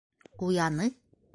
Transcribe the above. Ҡуяны.